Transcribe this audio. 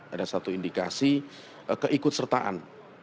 ada satu indikasi keikut sertaan